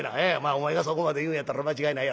お前がそこまで言うんやったら間違いないやろ。